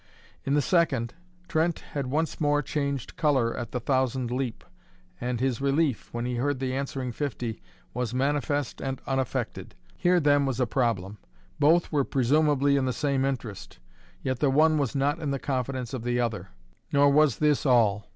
In the second, Trent had once more changed colour at the thousand leap, and his relief, when he heard the answering fifty was manifest and unaffected. Here then was a problem: both were presumably in the same interest, yet the one was not in the confidence of the other. Nor was this all.